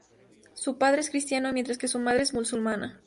Su padre es cristiano, mientras que su madre es musulmana.